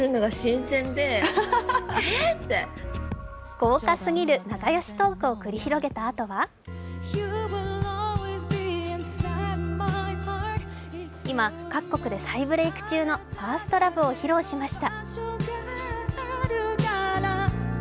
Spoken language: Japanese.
豪華すぎる仲よしトークを繰り広げたあとは今、各国で再ブレーク中の「ＦｉｒｓｔＬｏｖｅ」を披露しました。